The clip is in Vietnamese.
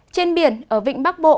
trên biển ở vịnh bắc bộ